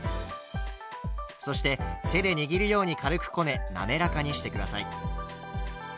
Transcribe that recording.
そして手で握るように軽くこね滑らかにして下さい。